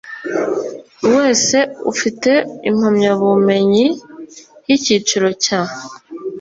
Wese ufite impamyabumenyi y icyiciro cya